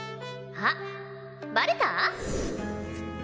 あっバレた？